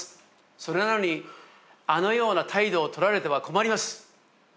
それなのにあのような態度を取られては困ります。